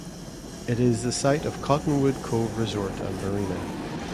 It is the site of the Cottonwood Cove Resort and Marina.